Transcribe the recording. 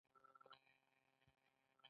څنګه کولی شم د بریښنا بل کم کړم